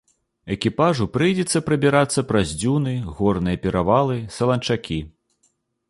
Экіпажу прыйдзецца прабірацца праз дзюны, горныя перавалы, саланчакі.